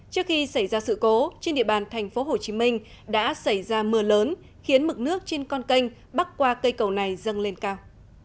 trước khi xảy ra sự cố trên địa bàn tp hcm đã xảy ra mưa lớn khiến mực nước trên con canh bắc qua cây cầu này dâng lên cao